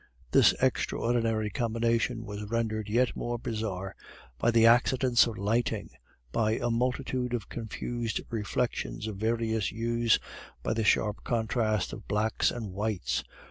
This extraordinary combination was rendered yet more bizarre by the accidents of lighting, by a multitude of confused reflections of various hues, by the sharp contrast of blacks and whites.